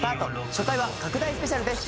初回は拡大スペシャルです。